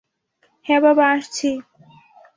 হ্যাঁ বাবা, আসছি।